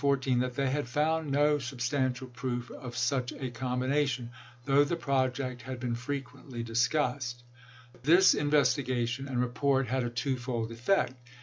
ported (February 14) that they had found no sub 18C1 stantial proof of such a combination, though the project had been frequently discussed. This in vestigation and report had a twofold effect.